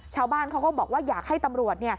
ชาวบ้านเขาก็บอกว่าอยากให้ตำรวจ